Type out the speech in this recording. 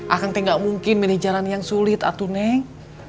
akan teh gak mungkin milih jalan yang sulit atuh neng